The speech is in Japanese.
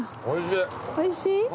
おいしい。